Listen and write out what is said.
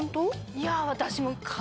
いや私も。